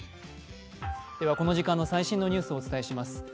この時間の最新のニュースをお伝えします。